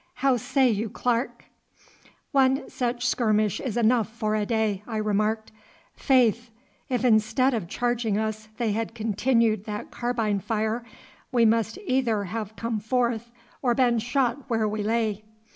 How say you, Clarke?' 'One such skirmish is enough for a day,' I remarked. 'Faith! if instead of charging us they had continued that carbine fire, we must either have come forth or been shot where we lay.